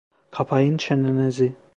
Kapayın çenenizi!